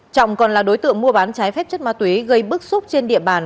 trọng còn là đối tượng mua bán trái phép chất ma túy gây bức xúc trên địa bàn